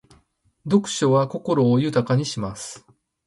読書は心を豊かにします。